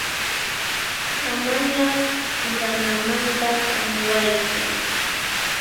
Amaña quranamanta k'amiwaychu.